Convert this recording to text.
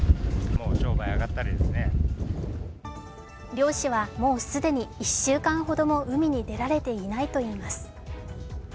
漁師はもう既に１週間ほども海に出られていないといいます。